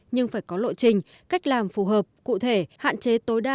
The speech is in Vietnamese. nhưng phải có lộ trình cách làm phù hợp cụ thể hạn chế tối đa